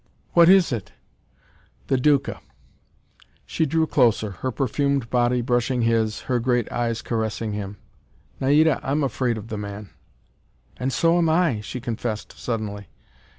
"What is it?" "The Duca." She drew closer, her perfumed body brushing his, her great eyes caressing him. "Naida, I am afraid of the man." "And so am I!" she confessed suddenly.